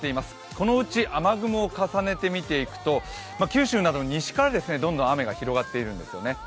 このうち雨雲を重ねて見ていくと、九州など西からどんどん雨が広がっているんですよね。